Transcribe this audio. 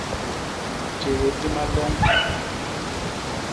Tjéé di maloñ.